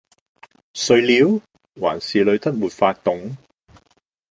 睡了？還是累得沒法動？